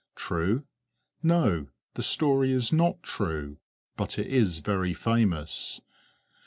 True? No, the story is not true, but it is very famous.